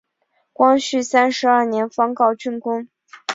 光绪三十二年方告竣工。